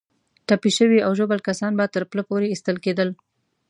ټپي شوي او ژوبل کسان به تر پله پورې ایستل کېدل.